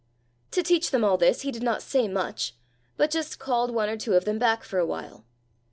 To teach them all this he did not say much, but just called one or two of them back for a while.